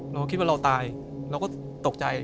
เราก็คิดว่าเราตายเราก็ตกใจ